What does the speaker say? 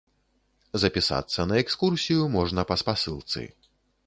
Запісацца на экскурсію можна па спасылцы.